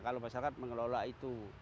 kalau masyarakat mengelola itu